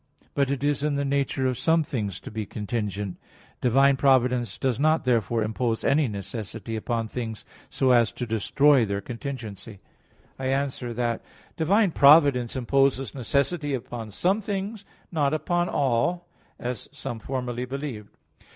But it is in the nature of some things to be contingent. Divine providence does not therefore impose any necessity upon things so as to destroy their contingency. I answer that, Divine providence imposes necessity upon some things; not upon all, as some formerly believed.